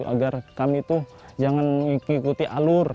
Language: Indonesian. agar kami tuh jangan ngikuti alur